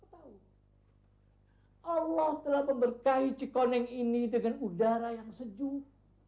allah telah memberkahi cikoneng ini dengan udara yang sejuk